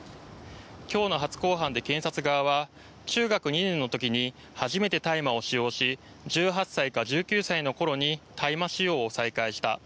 今日の初公判で検察側は中学２年の時に初めて大麻を使用し１８歳か１９歳の頃に大麻使用を再開した。